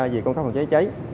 về công tác phòng cháy cháy